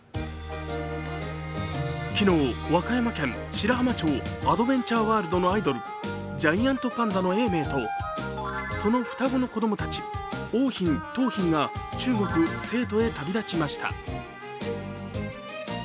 昨日、和歌山県白浜町のアドベンチャーワールドのアイドル、ジャイアントパンダの永明とその双子の子供たち、桜浜、桃浜が中国・成都へ旅出しました。